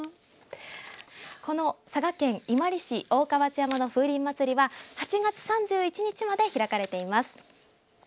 この佐賀県伊万里市大川内山の風鈴まつりは８月３１日まで開かれています。